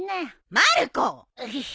まる子！